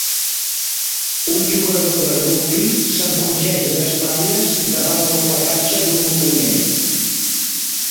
Un jugador de rugbi s'encongeix d'espatlles davant el placatge d'un oponent.